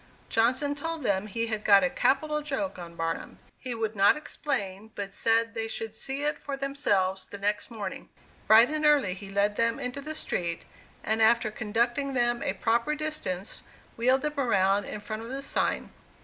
Johnson told them he had got a capital joke on Barnum; he would not explain, but said they should see it for themselves the next morning. Bright and early he led them into the street, and after conducting them a proper distance, wheeled them around in front of the sign.